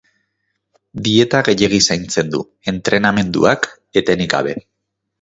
Dieta gehiegi zaintzen du, entrenamenduak, etenik gabe.